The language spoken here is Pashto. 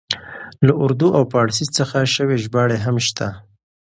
له اردو او پاړسي څخه شوې ژباړې هم شته.